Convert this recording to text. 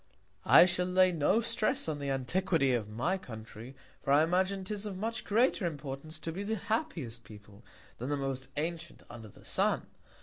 I shall lay no Stress on the Antiquity of my Country; for I imagine 'tis of much greater Importance to be the happiest People, than the most antient under the Sun.